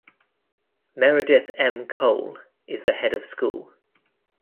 Meredyth M. Cole is the Head of School.